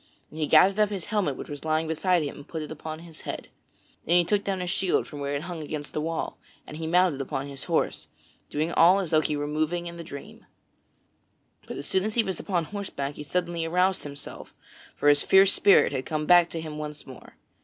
And he gathered up his helmet which was lying beside him and put it upon his head. Then he took down his shield from where it hung against the wall and he mounted upon his horse, doing all as though he were moving in a dream. But as soon as he was upon horseback he suddenly aroused himself, for his fierce spirit had come back to him once more.